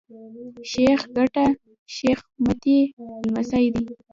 شېخ کټه شېخ متي لمسی دﺉ.